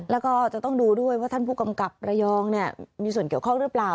แล้วก็จะต้องดูด้วยว่าท่านผู้กำกับระยองมีส่วนเกี่ยวข้องหรือเปล่า